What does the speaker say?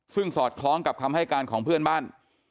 ซึ่งสอดคล้องกับคำให้การของเพื่อนบ้าน